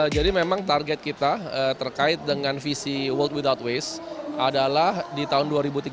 jadi memang target kita terkait dengan visi world without waste adalah di tahun dua ribu tiga puluh